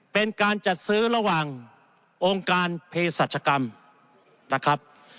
เป็นการจัดซื้อระหว่างองค์การเพศรัชกรรมนะครับ